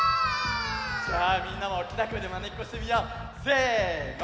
じゃあみんなもおおきなこえでまねっこしてみよう！せの！